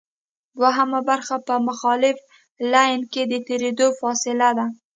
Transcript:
دوهمه برخه په مخالف لین کې د تېرېدو فاصله ده